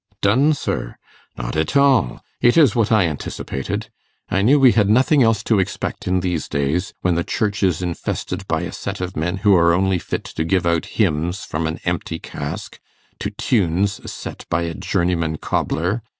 'Done, sir? Not at all. It is what I anticipated. I knew we had nothing else to expect in these days, when the Church is infested by a set of men who are only fit to give out hymns from an empty cask, to tunes set by a journeyman cobbler.